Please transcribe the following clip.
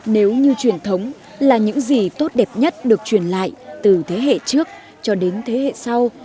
nếu như truyền thống là những gì tốt đẹp nhất được truyền lại từ thế hệ trước cho đến thế hệ sau